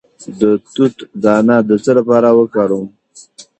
د توت دانه د څه لپاره وکاروم؟